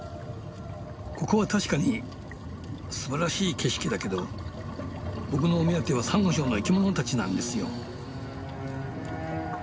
ここは確かにすばらしい景色だけど僕のお目当てはサンゴ礁の生きものたちなんですよ。